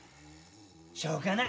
しょうがない。